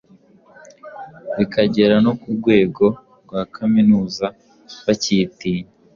bikagera no ku rwego rwa kaminuza bacyitinya.